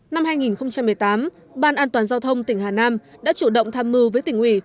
năm hai nghìn một mươi tám ban an toàn giao thông tỉnh hà nam đã chủ động tham mưu với tỉnh ủy